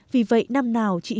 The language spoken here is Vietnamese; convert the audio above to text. vì vậy năm nào chị hiếu